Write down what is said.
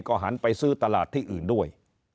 ก็หันไปซื้อตลาดที่อื่นด้วย